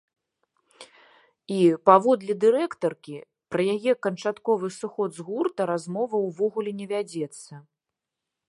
І, паводле дырэктаркі, пра яе канчатковы сыход з гурта размова ўвогуле не вядзецца.